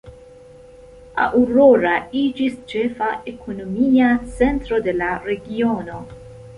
Aurora iĝis ĉefa ekonomia centro de la regiono.